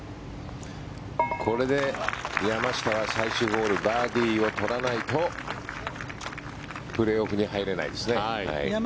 これで山下は、最終ホールバーディーを取らないとプレーオフに入れないですね。